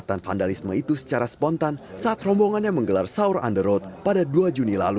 kegiatan vandalisme itu secara spontan saat rombongannya menggelar sahur under road pada dua juni lalu